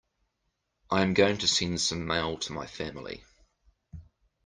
I am going to send some mail to my family.